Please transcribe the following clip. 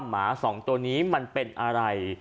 หมาสองตัวนี้มันเป็นอะไร